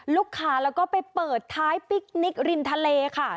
ลูกค้าแล้วก็ไปเปิดท้ายปิ๊กนิกริมทะเลค่ะ